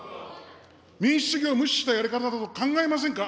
民主主義を無視したやり方だと考えませんか。